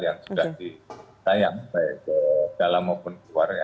yang sudah ditayang baik ke dalam maupun ke luar ya